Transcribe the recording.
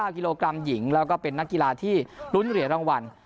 ๙กิโลกรัมหญิงแล้วก็เป็นนักกีฬาที่ลุ้นเหรียญรางวัล